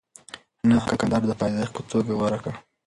نه، هغه کندهار د پایتخت په توګه غوره کړ.